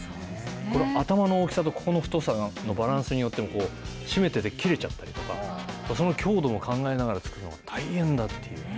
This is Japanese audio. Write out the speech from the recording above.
この頭の大きさとここの太さのバランスによっても、締めてて切れちゃったりとか、その強度も考えながら作るのが大変だっていう。